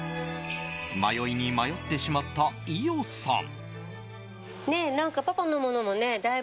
迷いに迷ってしまった伊代さん。